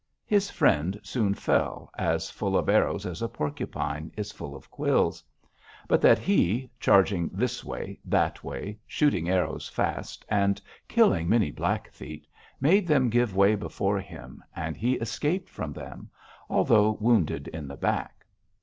His friend soon fell, as full of arrows as a porcupine is full of quills, but that he, charging this way, that way, shooting arrows fast and killing many Blackfeet, made them give way before him and he escaped from them, although wounded in the back.